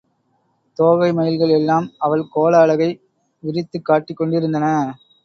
தோகை மயில்கள் எல்லாம் அவள் கோல அழகை விரித்துக் காட்டிக் கொண்டிருந்தன.